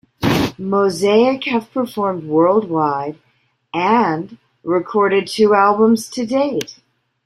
Mozaik have performed worldwide and recorded two albums to date.